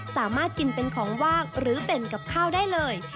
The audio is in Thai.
สามารถกินเป็นของว่างหรือเป็นกับข้าวได้เลย